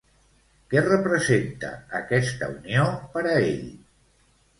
Què representa aquesta unió per a ell?